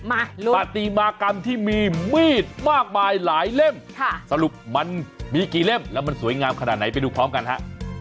ปฏิมากรรมที่มีมีดมากมายหลายเล่มค่ะสรุปมันมีกี่เล่มแล้วมันสวยงามขนาดไหนไปดูพร้อมกันฮะ